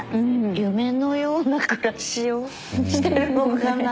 夢のような暮らしをしてるのかな。